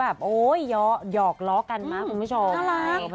เขาแบบโอ้ยยอกหลอกันมาคุณผู้ชม